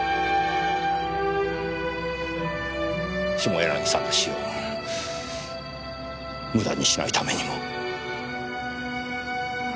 下柳さんの死を無駄にしないためにも。